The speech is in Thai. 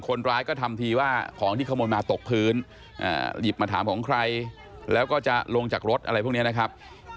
คนร้ายก็ทำทีว่าของที่ขโมยมาตกพื้นหยิบมาถามของใครแล้วก็จะลงจากรถอะไรพวกนี้นะครับ